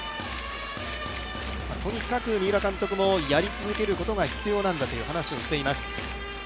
とにかく三浦監督も、やり続けることが必要なんだと話しています。